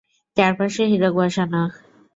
চারপাশে হীরক বসানো।